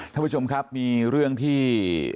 ท่านผู้ชมครับมีเรื่องที่